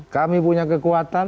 kami punya kekuatan